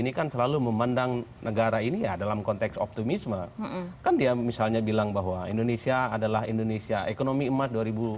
bilangkan gundur uing adalah politikus